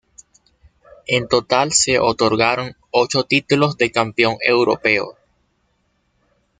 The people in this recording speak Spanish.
En total se otorgaron ocho títulos de campeón europeo.